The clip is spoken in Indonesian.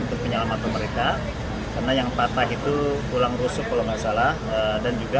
untuk menyelamatkan mereka karena yang patah itu tulang rusuk kalau nggak salah dan juga